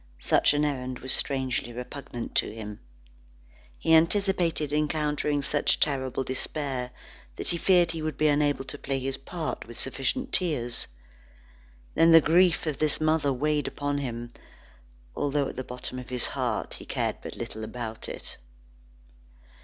Such an errand was strangely repugnant to him. He anticipated encountering such terrible despair that he feared he would be unable to play his part with sufficient tears. Then the grief of this mother weighed upon him, although at the bottom of his heart, he cared but little about it.